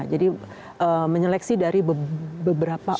jadi menyeleksi dari beberapa orang